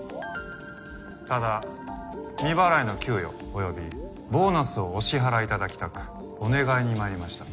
ただ未払いの給与およびボーナスをお支払い頂きたくお願いに参りました。